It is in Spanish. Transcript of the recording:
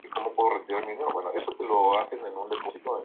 Están divididos en dos sectores de tres huecos cada uno.